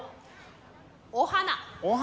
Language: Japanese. お花。